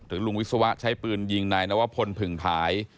ลุงวิศวะใช้ปืนยิงนายนวพลผึ่งผาย